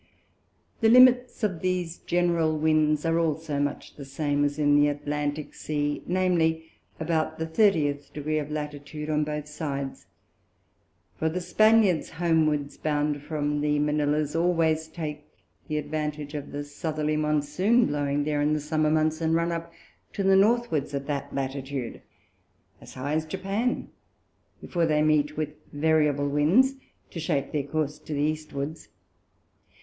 The Limits of these general Winds are also much the same as in the Atlantick Sea, viz. about the thirtieth Degree of Latitude on both sides; for the Spaniards homewards bound from the Manilha's, always take the advantage of the Southerly Monsoon, blowing there in the Summer Months, and run up to the Northwards of that Latitude, as high as Japan, before they meet with variable Winds, to shape their Course to the Eastwards.